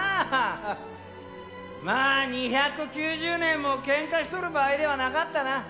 まあ２９０年も喧嘩しとる場合ではなかったなぁ。